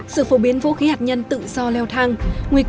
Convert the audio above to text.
sự phổ biến vũ khí hạt nhân tự do leo thang